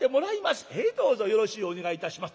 「ええどうぞよろしゅうお願いいたします」。